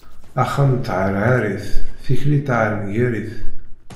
Axxam n tɛerɛarit, tikli taɛengarit.